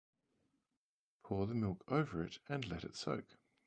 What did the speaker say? Pour the milk over it and let it soak.